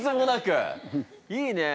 いいね。